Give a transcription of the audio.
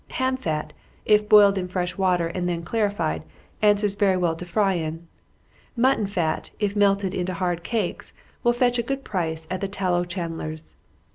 Ham fat, if boiled in fresh water, and then clarified, answers very well to fry in. Mutton fat, if melted into hard cakes, will fetch a good price at the tallow chandler's.